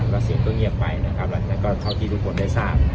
แล้วก็เสียงก็เงียบไปนะครับน่ะแล้วต้องก็คราวที่ทุกคนได้ทราบ